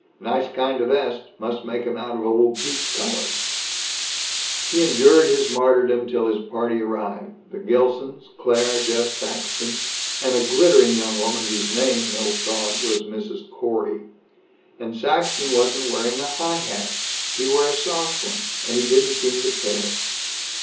"Nice kind o' vest. Must make 'em out of old piqué collars." He endured his martyrdom till his party arrived the Gilsons, Claire, Jeff Saxton, and a glittering young woman whose name, Milt thought, was Mrs. Corey. And Saxton wasn't wearing a high hat! He wore a soft one, and he didn't seem to care!